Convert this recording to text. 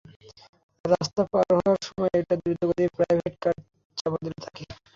রাস্তা পার হওয়ার সময় একটা দ্রুতগতির প্রাইভেট কার চাপা দিল তাকে।